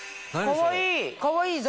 かわいい！